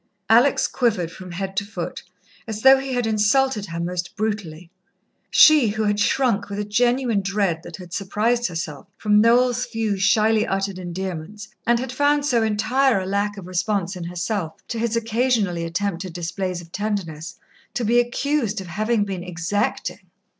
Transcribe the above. Alex quivered from head to foot, as though he had insulted her most brutally. She, who had shrunk, with a genuine dread that had surprised herself, from Noel's few, shyly uttered endearments, and had found so entire a lack of response in herself to his occasionally attempted displays of tenderness, to be accused of having been exacting!